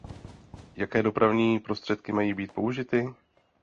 Jaké dopravní prostředky mají být použity?